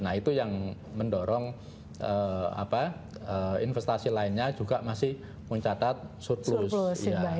nah itu yang mendorong investasi lainnya juga masih mencatat surplus